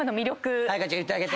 早川ちゃん言ってあげて。